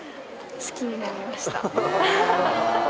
好きになりました。